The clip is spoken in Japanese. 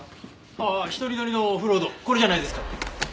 あっ１人乗りのオフロードこれじゃないですか？